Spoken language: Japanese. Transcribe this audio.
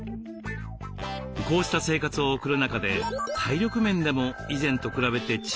こうした生活を送る中で体力面でも以前と比べて違いを感じています。